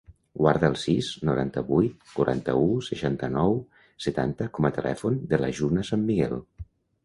Guarda el sis, noranta-vuit, quaranta-u, seixanta-nou, setanta com a telèfon de la Juna Sanmiguel.